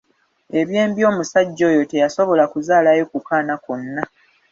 Eby'embi omusajja oyo teyasobola kuzaalayo ku kaana konna.